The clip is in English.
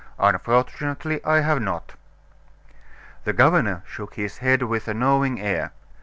"Unfortunately, I have not." The governor shook his head with a knowing air.